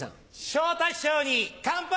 昇太師匠に乾杯！